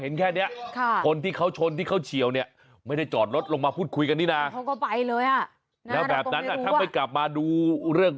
โอ้โหหลังกายความเย็นเนอะอืม